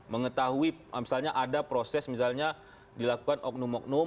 mengetahui misalnya ada proses misalnya dilakukan oknum oknum